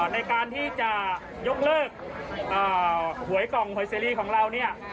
ในการที่จะยกเลิกหวยกล่องหวยซีรีส์ของเรา